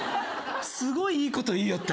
すごいいいこと言いよった。